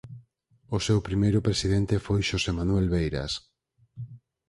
O seu primeiro presidente foi Xosé Manuel Beiras.